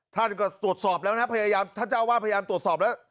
ท่านก็ตรวจสอบแล้วนะพยายามท่านเจ้าวาดพยายามตรวจสอบแล้ว